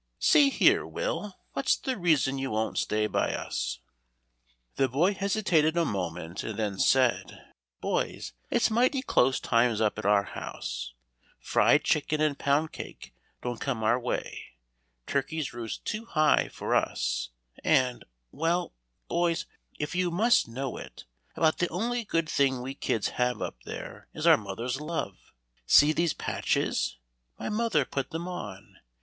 "See here, Will, what's the reason you won't stay by us?" The boy hesitated a moment and then said: "Boys, it's mighty close times up at our house; fried chicken and pound cake don't come our way, turkeys roost too high for us, and, and well, boys, if you must know it, about the only good thing we kids have up there is our mother's love. See these patches! My mother put them on.